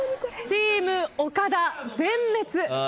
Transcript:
チーム岡田全滅。